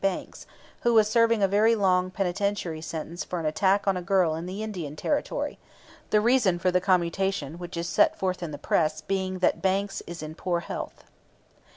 Banks, who was serving a very long term penitentiary sentence for an attack on a girl in the Indian Territory; "the reason for the commutation which is set forth in the press being that 'Banks is in poor health.'"